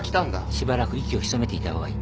しばらく息を潜めていた方がいい。